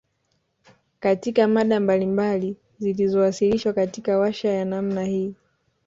Katika mada mbalibali zilizowasilishwa katika warsha ya namna hii